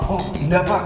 oh enggak pak